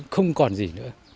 không còn gì nữa